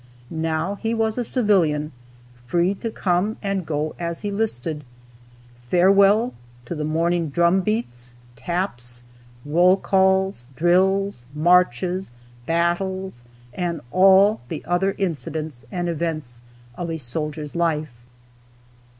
Now he was a civilian, free to come and go as he listed. Farewell to the morning drum beats, taps, roll calls, drills, marches, battles, and all the other incidents and events of a soldier's life.